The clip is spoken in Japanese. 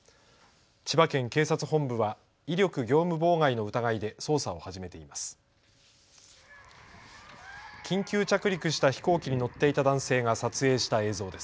千葉県警察本部は威力業務妨害の疑いで捜査を始めています。